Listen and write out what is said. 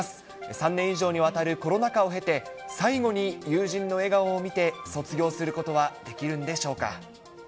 ３年以上にわたるコロナ禍を経て、最後に友人の笑顔を見て卒業することはできるんでしょうか。